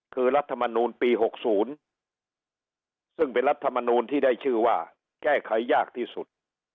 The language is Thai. คือรัฐมนูลปี๖๐ซึ่งเป็นรัฐมนูลที่ได้ชื่อว่าแก้ไขยากที่สุด